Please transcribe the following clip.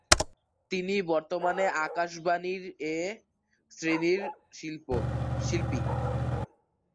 তিনি বর্তমানে আকাশবাণীর "এ" শ্রেণীর শিল্পী।